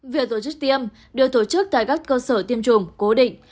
việc tổ chức tiêm được tổ chức tại các cơ sở tiêm chủng cố định